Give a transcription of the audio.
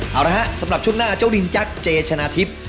เอาละฮะสำหรับช่วงหน้าเจ้าลินจักรเจชนะทิพย์